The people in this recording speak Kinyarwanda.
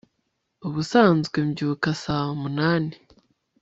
ubusanzwe mbyuka saa munani